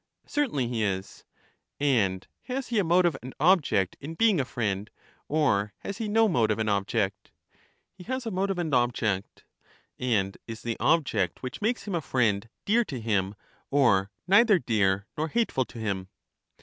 Certainly he is. And has he a motive and object in being a friend, or has he no motive and object? He has a motive and object. And is the object which makes him a friend dear to him, or neither dear nor hateful to him?